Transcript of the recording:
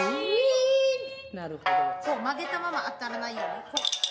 爪先曲げたまま当たらないように。